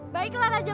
baiklah jemaah cang